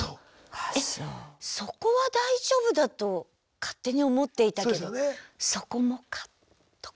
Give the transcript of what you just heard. えっそこは大丈夫だと勝手に思っていたけどそこもかとか。